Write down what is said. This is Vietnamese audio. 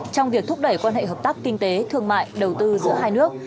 trong việc thúc đẩy quan hệ hợp tác kinh tế thương mại đầu tư giữa hai nước